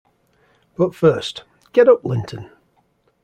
But first — get up, Linton!